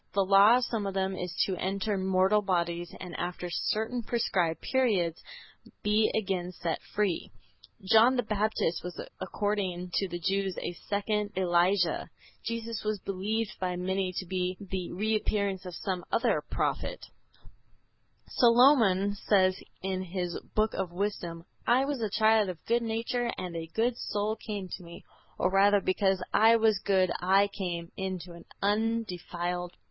The law of some of them is to enter mortal bodies, and after certain prescribed periods be again set free." John the Baptist was according to the Jews a second Elijah; Jesus was believed by many to be the re appearance of some other prophet. (See Matt, xvi, 14, also xvii, 12.) Solomon says in his Book of Wisdom: "I was a child of good nature and a good soul came to me, or rather because I was good I came into an undefiled body."